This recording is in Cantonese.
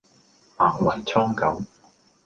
白雲蒼狗